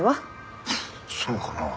そうかな？